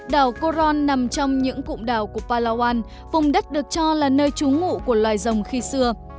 đảo koron nằm trong những cụm đảo của palawan vùng đất được cho là nơi trú ngụ của loài rồng khi xưa